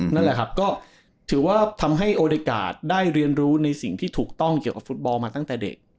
นั่นแหละครับก็ถือว่าทำให้โอเดกาสได้เรียนรู้ในสิ่งที่ถูกต้องเกี่ยวกับฟุตบอลมาตั้งแต่เด็ก